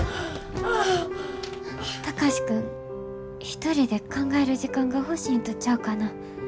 一人で考える時間が欲しいんとちゃうかな。